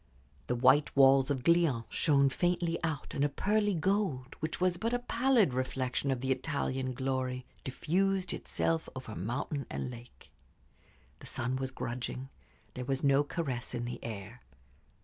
The white walls of Glion shone faintly out, and a pearly gold, which was but a pallid reflection of the Italian glory, diffused itself over mountain and lake. The sun was grudging; there was no caress in the air.